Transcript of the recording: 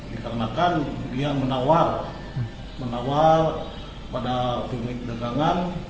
dikarenakan dia menawar menawar kepada pemilik pedagangan